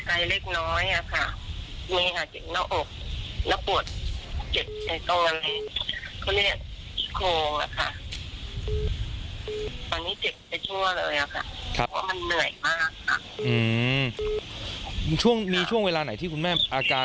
ไอเล็กน้อยอะค่ะมีค่ะเจ็บหน้าอกแล้วปวดเจ็บในตัวเลยเขาเรียกโคงอะค่ะ